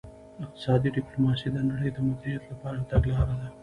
اقتصادي ډیپلوماسي د نړۍ د مدیریت لپاره یوه تګلاره ده